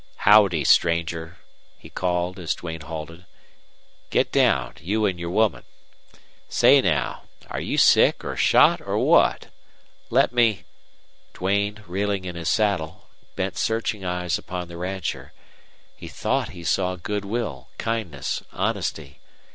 "Howdy, stranger," he called, as Duane halted. "Get down, you an' your woman. Say, now, air you sick or shot or what? Let me " Duane, reeling in his saddle, bent searching eyes upon the rancher. He thought he saw good will, kindness, honesty.